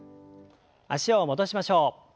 脚を戻しましょう。